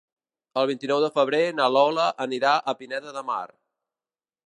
El vint-i-nou de febrer na Lola anirà a Pineda de Mar.